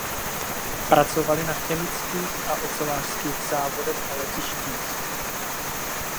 Pracovali na chemických a ocelářských závodech a letištích.